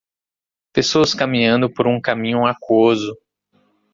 Pessoas caminhando por um caminho aquoso.